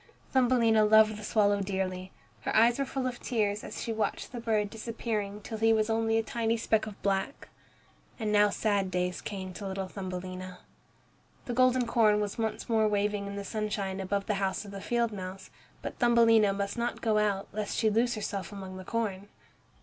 Thumbelina loved the swallow dearly. Her eyes were full of tears as she watched the bird disappearing till he was only a tiny speck of black. And now sad days came to little Thumbelina. The golden corn was once more waving in the sunshine above the house of the field mouse, but Thumbelina must not go out lest she lose herself among the corn.